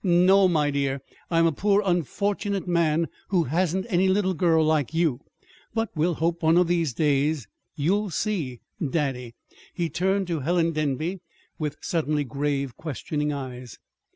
"No, my dear. I'm a poor unfortunate man who hasn't any little girl like you; but we'll hope, one of these days, you'll see daddy." He turned to Helen Denby with suddenly grave, questioning eyes.